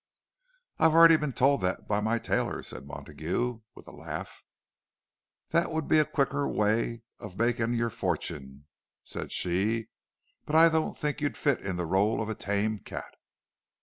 "I've already been told that by my tailor," said Montague, with a laugh. "That would be a still quicker way of making your fortune," said she. "But I don't think you'd fit in the rôle of a tame cat."